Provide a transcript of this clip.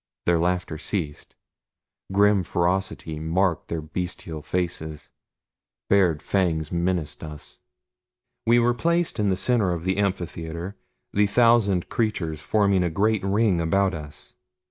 Their laughter ceased. Grim ferocity marked their bestial faces bared fangs menaced us. We were placed in the center of the amphitheater the thousand creatures forming a great ring about us.